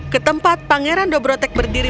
ke tempat pangeran dobrotek berdiri